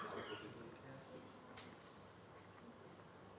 yang mengibatkan dua anggota